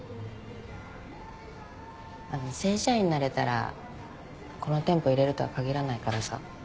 あの正社員になれたらこの店舗いれるとは限らないからさ。